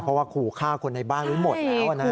เพราะว่าขู่ฆ่าคนในบ้านไว้หมดแล้วนะ